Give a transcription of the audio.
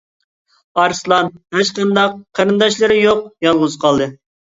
ئارسلان ھېچقانداق قېرىنداشلىرى يوق يالغۇز قالدى.